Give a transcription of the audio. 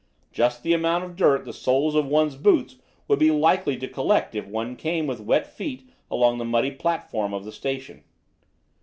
"Just the amount of dirt the soles of one's boots would be likely to collect if one came with wet feet along the muddy platform of the station."